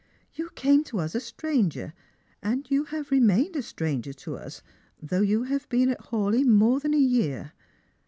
" You came to us a stranger, and you have remained a stranger to us, though you have been at Hawleigh more than a year.